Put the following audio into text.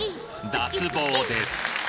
脱帽です！